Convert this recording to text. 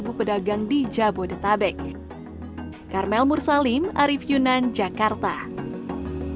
buat buat dapat oracle lookoutarteners rév